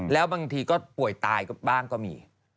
แล้วบางทีก็ป่วยตายบ้างก็มี